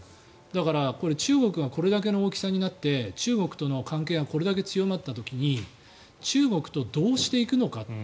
だから、中国がこれだけの大きさになって中国との関係がこれだけ強まった時に中国とどうしていくのか。